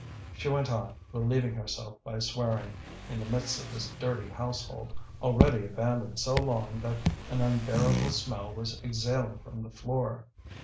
She went on relieving herself by swearing, in the midst of this dirty household, already abandoned so long that an unbearable smell was exhaling from the floor.